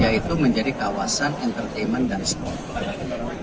yaitu menjadi kawasan entertainment dan sport